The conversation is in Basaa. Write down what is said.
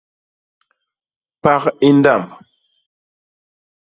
Pak i ndamb.